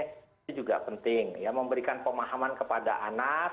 itu juga penting ya memberikan pemahaman kepada anak